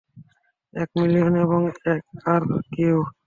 এক মিলিয়ন এবং এক, আর কেউ?